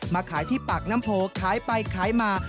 ขายที่ปากน้ำโพขายไปขายมา